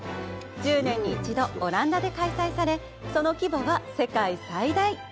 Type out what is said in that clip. １０年に１度オランダで開催されその規模は世界最大。